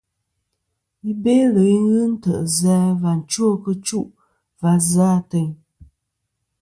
I Belo i ghɨ ntè' zɨ a và chwo kitchu va zɨ a teyn.